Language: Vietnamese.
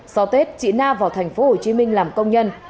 sau tết chị na vào tp hcm làm công nhân